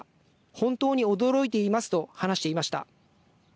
本当に驚いていますと話していました。